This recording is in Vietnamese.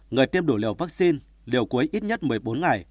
người tiêm đủ liều vaccine liều cuối ít nhất một mươi bốn ngày